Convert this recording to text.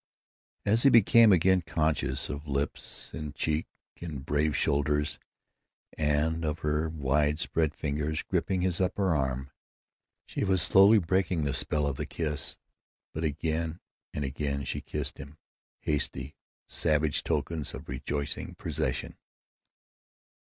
As he became again conscious of lips and cheek and brave shoulders and of her wide spread fingers gripping his upper arm, she was slowly breaking the spell of the kiss. But again and again she kissed him, hastily, savage tokens of rejoicing possession.